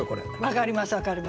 分かります分かります。